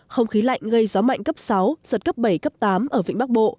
không khí lạnh gây gió mạnh cấp sáu giật cấp bảy cấp tám ở vĩnh bắc bộ